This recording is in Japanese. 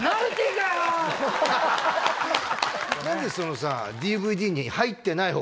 何でそのさ。